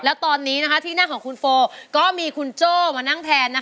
แล้วตอนนี้นะฮะที่หน้าของคุณโฟก็มีคุณโจ้มานั่งแทนนะฮะ